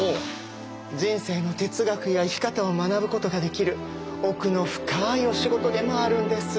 人生の哲学や生き方を学ぶことができる奥の深いお仕事でもあるんです。